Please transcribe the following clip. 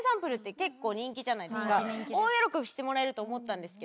大喜びしてもらえると思ったんですけど。